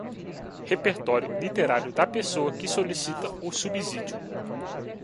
Repertório literário da pessoa que solicita o subsídio.